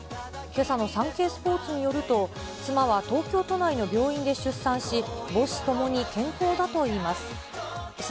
けさのサンケイスポーツによると、妻は東京都内の病院で出産し、母子ともに健康だといいます。